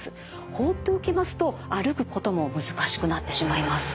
放っておきますと歩くことも難しくなってしまいます。